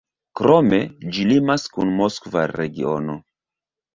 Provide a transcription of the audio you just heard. Krome, ĝi limas kun Moskva regiono.